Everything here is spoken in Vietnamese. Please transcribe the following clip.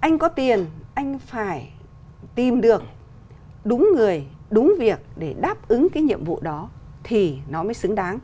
anh có tiền anh phải tìm được đúng người đúng việc để đáp ứng cái nhiệm vụ đó thì nó mới xứng đáng